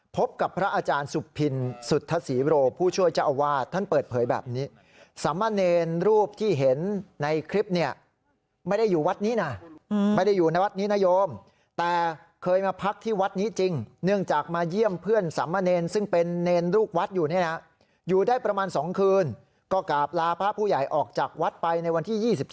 พบกับพระอาจารย์สุพินศุฒษีโรพผู้ช่วยเจ้าวาท